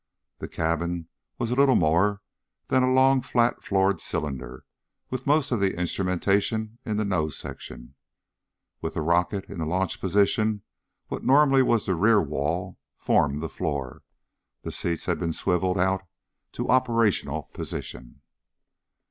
The cabin was little more than a long flat floored cylinder with most of the instrumentation in the nose section. With the rocket in launch position, what normally was the rear wall formed the floor. The seats had been swiveled out to operational position.